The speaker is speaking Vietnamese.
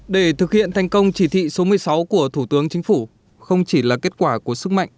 để thực hiện thành công chỉ thị số một mươi sáu của thủ tướng chính phủ không chỉ là kết quả của sức mạnh